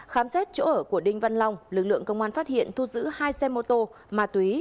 khám xét chỗ ở của đinh văn long lực lượng công an phát hiện thu giữ hai xe mô tô ma túy